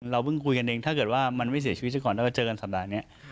เราพึ่งคุยกันเองถ้าเกิดว่ามันไม่เสียชีวิตทุกครั้งเจอกันสัปดาห่างนี้